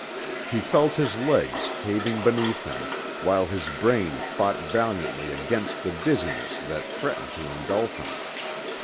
He felt his legs caving beneath him, while his brain fought valiantly against the dizziness that threatened to engulf him.